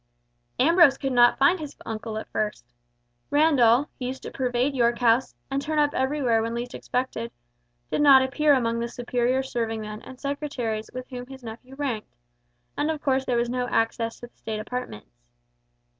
Ambrose could not find his uncle at first. Randall, who used to pervade York House, and turn up everywhere when least expected, did not appear among the superior serving men and secretaries with whom his nephew ranked, and of course there was no access to the state apartments.